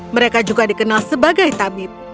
mereka juga dikenal sebagai tabib